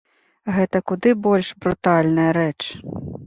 Гэта куды больш брутальная рэч.